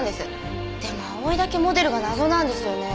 でも葵だけモデルが謎なんですよね。